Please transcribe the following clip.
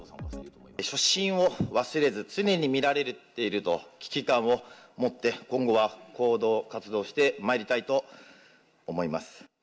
初心を忘れず、常に見られていると危機感を持って、今後は行動、活動してまいりたいと思います。